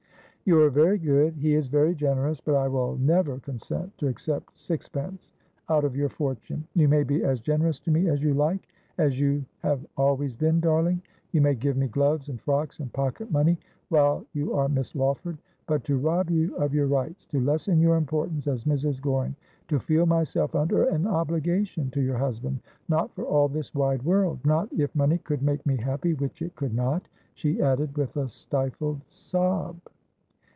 ' You are very good — he is very generous— but I will never consent to accept sixpence out of your fortune. You may be as generous to me as you like — as you have always been, darling. ^Not for your Linage, ne for your Ricliesse.' 173 You may give me gloves and frocks and pocket money, while you are Miss LaAvford : but to rob you of your rights ; to lessen your importance as Mrs. Goring ; to feel myself under an obli gation to your husband — not for all this wide world. Not if money could make me happy — which it could not,' she added with a stifled sob.